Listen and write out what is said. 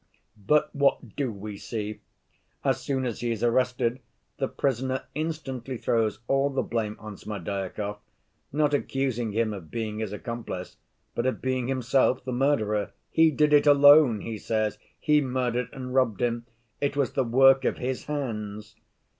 "But what do we see? As soon as he is arrested the prisoner instantly throws all the blame on Smerdyakov, not accusing him of being his accomplice, but of being himself the murderer. 'He did it alone,' he says. 'He murdered and robbed him. It was the work of his hands.